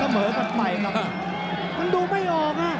มันดูไม่ออกนะ